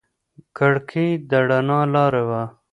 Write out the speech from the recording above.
کړکۍ د رڼا لاره وه.